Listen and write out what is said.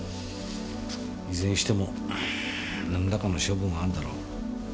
いずれにしても何らかの処分はあんだろう。